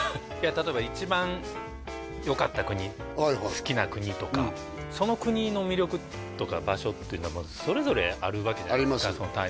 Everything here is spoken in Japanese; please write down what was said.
例えば一番よかった国好きな国とかその国の魅力とか場所ってそれぞれあるわけじゃないですかあります